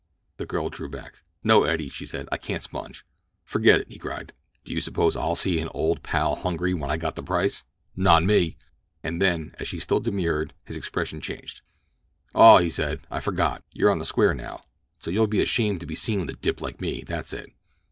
The girl drew back. "No, Eddie," she said; "I can't sponge." "Forget it," he cried. "Do you suppose I'll see an old pal hungry when I got the price? Not me!" And then, as she still demurred, his expression changed. "Oh." he said, "I forgot. You're on the square now, so you'd be ashamed to be seen with a dip like me—that's it.